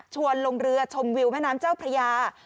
ลงเรือชมวิวแม่น้ำเจ้าพระยา